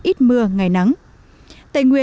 ít mưa ngày nắng